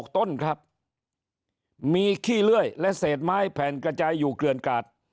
ต้นครับมีขี้เลื่อยและเศษไม้แผ่นกระจายอยู่เกลือนกาด